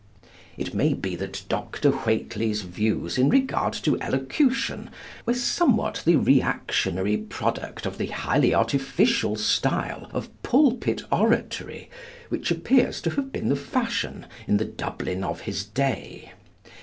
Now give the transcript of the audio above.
It may be that Dr. Whateley's views in regard to Elocution were somewhat the reactionary product of the highly artificial style of pulpit oratory which appears to have been the fashion in the Dublin of his day.